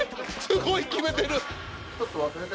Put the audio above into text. すごいキメてる！